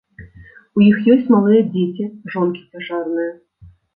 У іх ёсць малыя дзеці, жонкі цяжарныя.